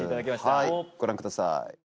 はいご覧ください。